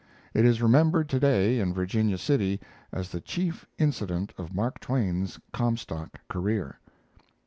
It is remembered to day in Virginia City as the chief incident of Mark Twain's Comstock career.